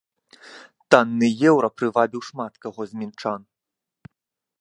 Танны еўра прывабіў шмат каго з мінчан.